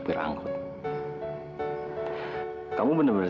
tapi kamu gak pernah menghargai aku